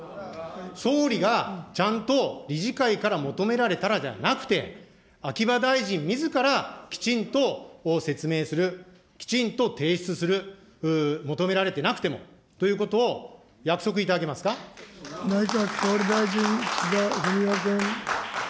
総理がちゃんと理事会から求められたらじゃなくて、秋葉大臣みずからきちんと説明する、きちんと提出する、求められてなくてもとい内閣総理大臣、岸田文雄君。